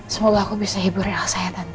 semoga aku bisa hibur elsa ya tante